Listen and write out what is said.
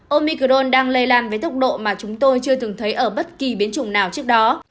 omicron đang lây lan với tốc độ mà chúng tôi chưa từng thấy ở bất kỳ biến chủng nào trước đó